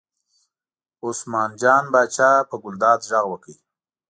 عثمان جان پاچا په ګلداد غږ وکړ.